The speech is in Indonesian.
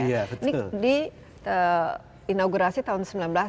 ini di inaugurasi tahun seribu sembilan ratus satu